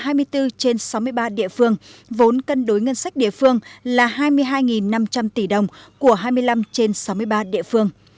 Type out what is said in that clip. trong đó vốn ngân sách trung ương là chín năm trăm linh tỷ đồng của hai mươi một trên sáu mươi ba địa phương vốn cân đối ngân sách địa phương là hai mươi hai năm trăm linh tỷ đồng của hai mươi năm trên sáu mươi ba địa phương